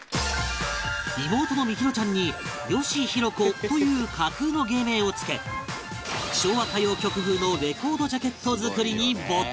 妹のみひろちゃんに美弘子という架空の芸名を付け昭和歌謡曲風のレコードジャケット作りに没頭